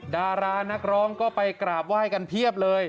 ดารานักร้องก็ไปกราบไหว้กันเพียบเลย